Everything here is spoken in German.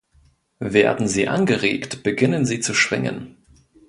Werden sie angeregt, beginnen sie zu schwingen.